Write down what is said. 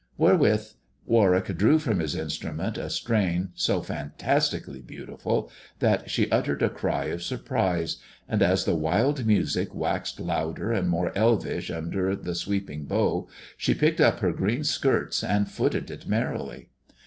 Wherewith Warwick drew from his instrument a strain so fantastically beautiful that she uttered a cry of surprise, and as the wild music waxed louder and more elfish under the sweeping bow, she picked up her green skirts and footed it merrily.